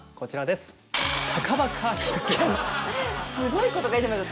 すごいこと書いてますよ坂